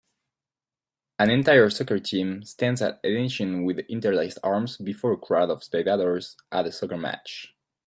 An entire soccer team stands at attention with interlaced arms before a crowd of spectators at a soccer match